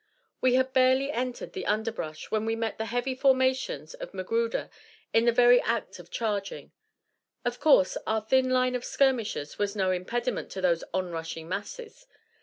We had barely entered the underbrush when we met the heavy formations of Magruder in the very act of charging. Of course, our thin line of skirmishers was no impediment to those onrushing masses.